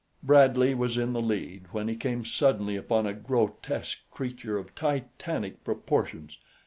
Bradley was in the lead when he came suddenly upon a grotesque creature of Titanic proportions.